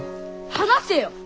話せよ！